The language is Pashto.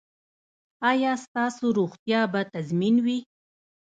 ایا ستاسو روغتیا به تضمین وي؟